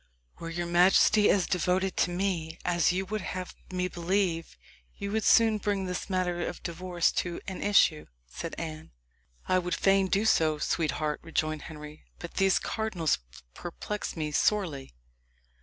"Were your majesty as devoted to me as you would have me believe, you would soon bring this matter of the divorce to an issue," said Anne. "I would fain do so, sweetheart," rejoined Henry; "but these cardinals perplex me sorely."